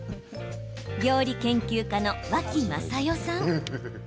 料理研究家の脇雅世さん。